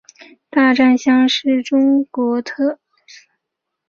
大战乡是中国浙江省仙居县所辖的一个镇。